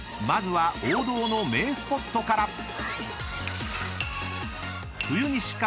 ［まずは王道の名スポットから］